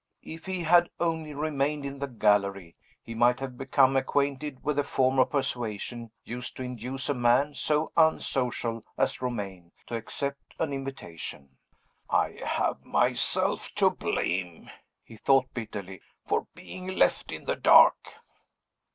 If he had only remained in the gallery, he might have become acquainted with the form of persuasion used to induce a man so unsocial as Romayne to accept an invitation. "I have myself to blame," he thought bitterly, "for being left in the dark."